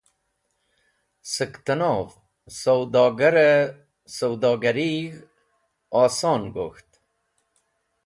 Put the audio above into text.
Sẽktẽnov sẽwdogare sẽwdogarig̃h oson gok̃ht